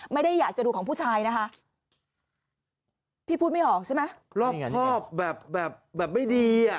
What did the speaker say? ไม่ได้อยากจะดูของผู้ชายนะคะพี่พูดไม่ออกใช่ไหมรอบครอบแบบแบบไม่ดีอ่ะ